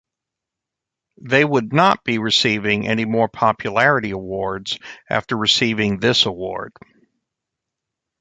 They would not be receiving any more popularity awards after receiving this award.